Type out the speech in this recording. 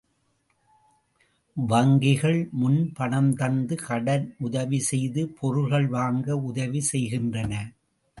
வங்கிகள் முன்பணம் தந்து கடனுதவி செய்து பொருள்கள் வாங்க உதவி செய்கின்றன.